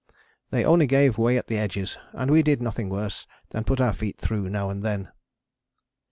They only gave way at the edges, and we did nothing worse than put our feet through now and then.